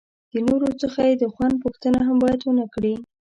د نورو څخه یې د خوند پوښتنه هم باید ونه کړي.